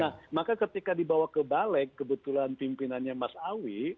nah maka ketika dibawa ke balek kebetulan pimpinannya mas awi